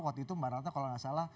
waktu itu mbak rata kalau enggak salah